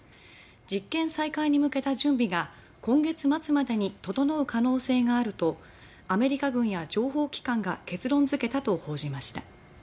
実験再開に向けた準備が今月末までに整う可能性があるとアメリカ軍や情報機関が結論付けたと報じました。